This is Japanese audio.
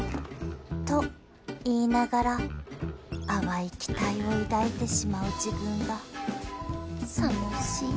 と言いながら淡い期待を抱いてしまう自分がさもしい